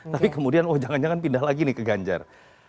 tapi kemudian oh jangan jangan pindah lagi nih ke ganjar